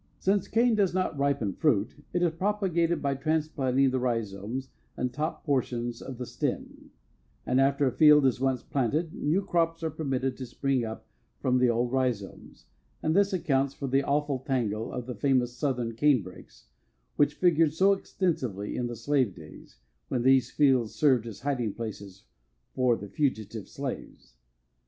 Since cane does not ripen fruit, it is propagated by transplanting the rhizomes and top portions of stem, and after a field is once planted new crops are permitted to spring up from the old rhizomes, and this accounts for the awful tangle of the famous Southern canebrakes, which figured so extensively in the slave days, when these fields served as hiding places for the fugitive slaves.